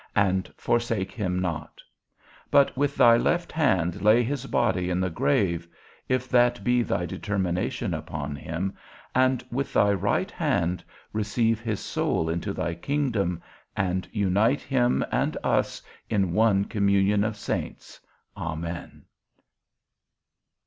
_ and forsake him not; but with thy left hand lay his body in the grave (if that be thy determination upon him), and with thy right hand receive his soul into thy kingdom, and unite him and us in one communion of saints. Amen.